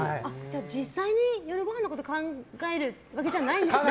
実際に夜ごはんのこと考えるわけじゃないんですね。